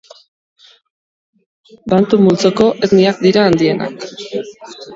Bantu multzoko etniak dira handienak.